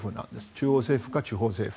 中央政府か地方政府。